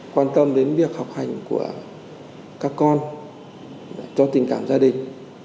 quan tâm đến việc học hành của các con cho tình cảm gia đình